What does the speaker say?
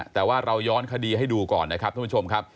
แต่ว่าเราย้อนคดีให้ดูก่อนนะครับท่านผู้ชมครับ